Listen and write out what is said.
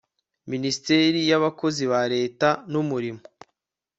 Minisiteri y Abakozi ba Leta n Umurimo